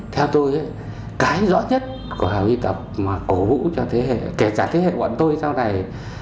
theo tôi cái rõ nhất của hàng huy tập mà cổ vũ cho thế hệ kể cả thế hệ bọn tôi sau này